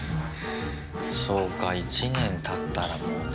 そうか、１年たったらもうね。